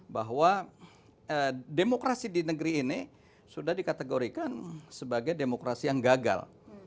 bahwa demokrasi di negeri ini sudah dikategorikan sebagai demokrasi yang gagal